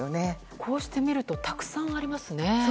こうして見るとたくさんありますね。